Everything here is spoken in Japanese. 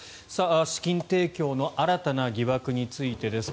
資金提供の新たな疑惑についてです。